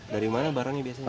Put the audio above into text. dari mana barangnya biasanya